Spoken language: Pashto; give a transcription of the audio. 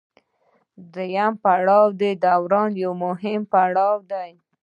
دریم پړاو د دوران یو مهم پړاو دی